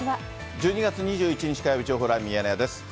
１２月２１日火曜日、情報ライブミヤネ屋です。